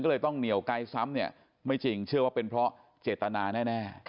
ก็เลยต้องเหนียวไกลซ้ำเนี่ยไม่จริงเชื่อว่าเป็นเพราะเจตนาแน่